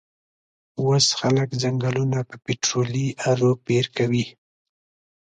وس خلک ځنګلونه په پیټررولي ارو پیرکوی